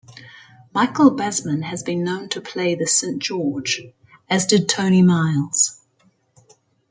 Michael Basman has been known to play the Saint George, as did Tony Miles.